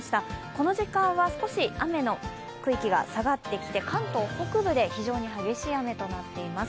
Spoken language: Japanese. この時間は少し雨の区域が下がってきて関東北部で非常に激しい雨となっています。